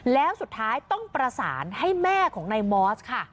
แล้วสุดท้ายต้องประสานให้แม่ของนายมอสค่ะ